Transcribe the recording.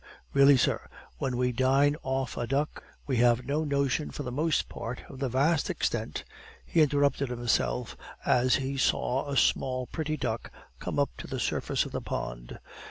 Really, sir, when we dine off a duck, we have no notion for the most part of the vast extent " He interrupted himself as he saw a small pretty duck come up to the surface of the pond.